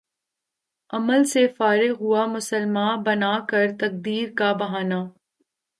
عمل سے فارغ ہوا مسلماں بنا کر تقدیر کا بہانہ